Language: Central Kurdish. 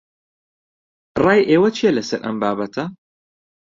ڕای ئێوە چییە لەسەر ئەم بابەتە؟